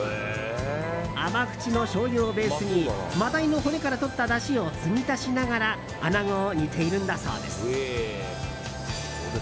甘口のしょうゆをベースにマダイの骨から取っただしをつぎ足しながらアナゴを煮ているんだそうです。